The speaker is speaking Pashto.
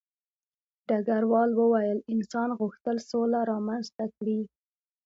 ډګروال وویل انسان غوښتل سوله رامنځته کړي